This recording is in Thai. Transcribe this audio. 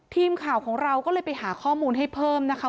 ทีมข่าวของเราก็เลยไปหาข้อมูลให้เพิ่มนะคะ